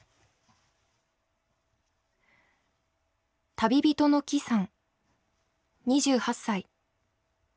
旅人の木さん２８歳。